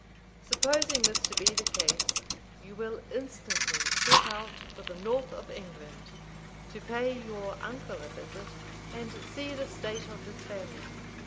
"Supposing this to be the case, you will instantly set out for the north of England, to pay your uncle a visit, and see the state of his family.